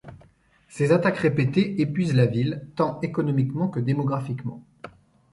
Ces attaques répétées épuisent la ville tant économiquement que démographiquement.